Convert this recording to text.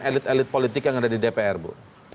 elit elit politik yang ada di dpr bu